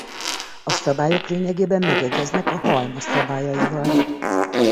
A szabályok lényegében megegyeznek a halma szabályaival.